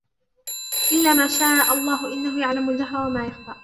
إِلَّا مَا شَاءَ اللَّهُ ۚ إِنَّهُ يَعْلَمُ الْجَهْرَ وَمَا يَخْفَىٰ